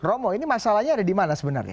romo ini masalahnya ada di mana sebenarnya